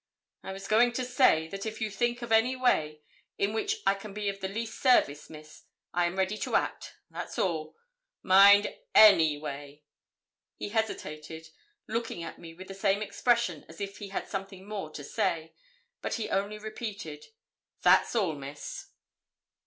'I was going to say, that if you think of any way in which I can be of the least service, Miss, I'm ready to act, that's all; mind, any way.' He hesitated, looking at me with the same expression as if he had something more to say; but he only repeated 'That's all, Miss.'